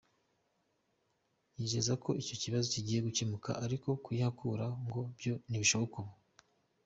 Yizeza ko icyo kibazo kigiye gukemuka ariko kuyihakura ngo byo ntibishoboka ubu.